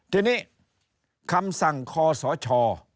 ทีนี้คำสั่งคอสช